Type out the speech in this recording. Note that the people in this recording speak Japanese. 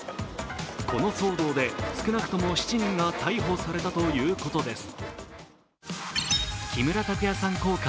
この騒動で少なくとも７人が逮捕されたということです。